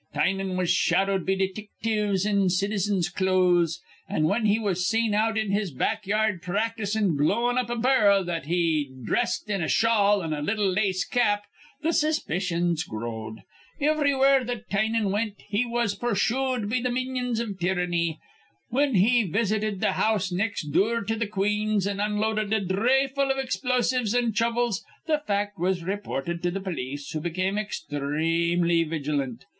Tynan was shadowed be detictives in citizens' clothes; an', whin he was seen out in his backyard practisin' blowin' up a bar'l that he'd dhressed in a shawl an' a little lace cap, th' suspicions growed. Ivrywhere that Tynan wint he was purshooed be th' minions iv tyranny. Whin he visited th' house nex' dure to th' queen's, an' unloaded a dhray full iv explosives an' chuvvels, the fact was rayported to th' polis, who become exthremely vigilant.